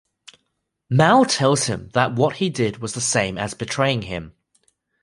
Mal tells him that what he did was the same as betraying him.